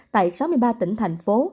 tại sáu mươi ba tỉnh thành phố